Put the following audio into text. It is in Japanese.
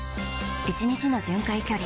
１日の巡回距離